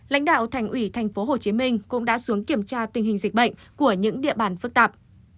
lãnh đạo thành ủy tp hcm cũng đã xuống kiểm tra tình hình dịch bệnh của những địa bàn phức tạp